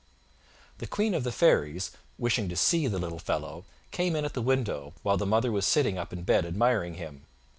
The Queen of the fairies, wishing to see the little fellow, came in at the window, while the mother was sitting up in bed admiring him.